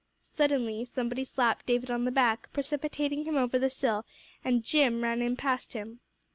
Suddenly somebody slapped David on the back, precipitating him over the sill, and "Jim" ran in past him.